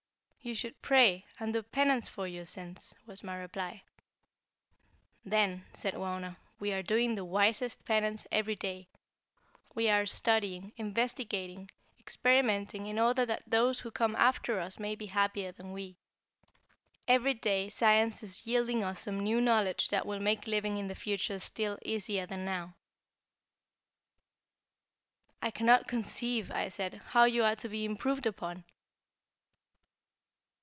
"You should pray, and do penance for your sins," was my reply. "Then," said Wauna, "we are doing the wisest penance every day. We are studying, investigating, experimenting in order that those who come after us may be happier than we. Every day Science is yielding us some new knowledge that will make living in the future still easier than now." "I cannot conceive," I said, "how you are to be improved upon."